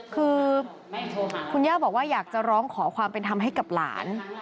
คือคุณย่าบอกว่าอยากจะร้องขอความเป็นธรรมให้กับหลาน